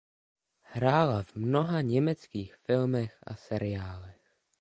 Hrála v mnoha německých filmech a seriálech.